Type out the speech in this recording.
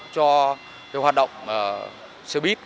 cho điều hoạt động xe bít